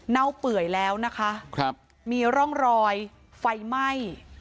เปื่อยแล้วนะคะครับมีร่องรอยไฟไหม้